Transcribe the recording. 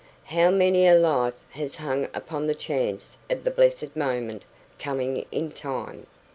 How many a life has hung upon the chance of the blessed moment coming in time!